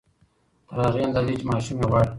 تر هغې اندازې چې ماشوم يې غواړي